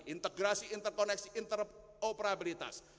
integrasi interkoneksi dan interoperabilitas